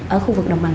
ở khu vực đồng bằng